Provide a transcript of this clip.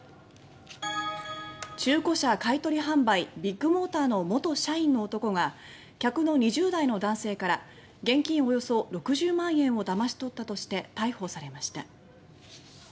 中古車買い取り販売ビッグモーターの元社員の男が客の２０代の男性から現金およそ６０万円をだまし取ったとして逮捕されました。